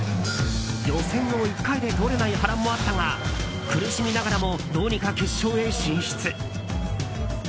予選を１回で通れない波乱もあったが、苦しみながらもどうにか決勝へ進出。